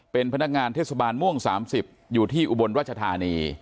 เป็นพนักงานทสาบานหม่วง๓๐อยู่ที่อุบลวัชษณีย์